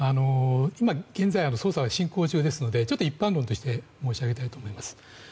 今、現在捜査は進行中ですのでちょっと一般論として申し上げたいと思います。